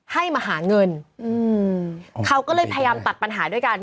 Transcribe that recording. ให้มาหาเงินอืมเขาก็เลยพยายามตัดปัญหาด้วยกัน